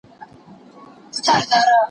د بنسټونو تر منځ اړيکي بايد معلومې وي.